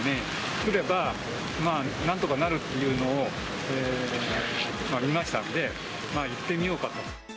来れば、なんとかなるっていうのを見ましたので、行ってみようかと。